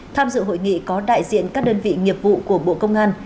tham dự hội nghị có đại diện các đơn vị nghiệp vụ của bộ công an